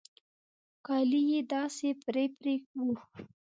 کالي يې داسې پرې پرې وو.